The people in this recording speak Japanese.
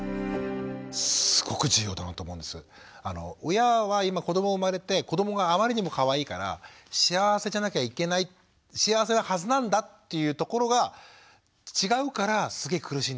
親は今子ども生まれて子どもがあまりにもかわいいから幸せじゃなきゃいけない幸せなはずなんだっていうところが違うからすげえ苦しいんですよ。